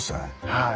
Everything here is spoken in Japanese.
はい。